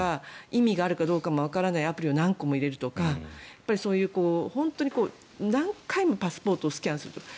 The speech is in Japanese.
意味があるかどうかわからないアプリを何個も入れるとかそういう、何回もパスポートをスキャンするとか。